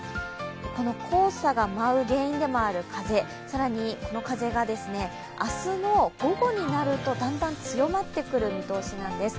この黄砂が舞う原因でもある風、更に、この風が明日の午後になるとだんだん強まってくる見通しなんです。